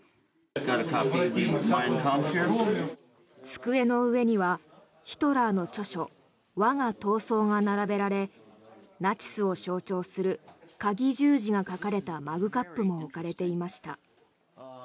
机の上にはヒトラーの著書「我が闘争」が並べられナチスを象徴するかぎ十字が描かれたマグカップも置かれていました。